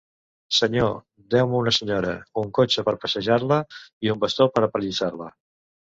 Senyor, deu-me una senyora, un cotxe per passejar-la i un bastó per a apallissar-la.